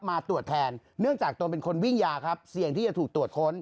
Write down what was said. มาตรวจแทนเนื่องจากตนเป็นคนวิ่งยาครับเสี่ยงที่จะถูกตรวจค้น